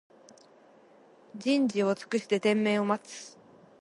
じんじをつくしててんめいをまつ